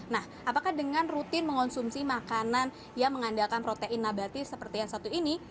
nah apakah dengan rutin mengonsumsi makanan yang mengandalkan protein nabati seperti yang satu ini